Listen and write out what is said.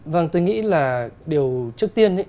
vâng tôi nghĩ là điều trước tiên